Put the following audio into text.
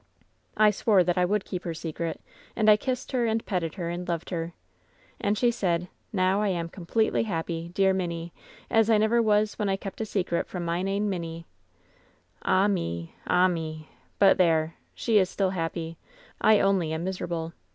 *T[ swore that I would keep her secret, and I kissed her, and petted her, and loved her. And she said, *Now I am completely happy, dear minnie, as I never was when I kept a secret from mine ain minnie.' Ah me ! ah me I But, there. She is still happy. I only am misera ble.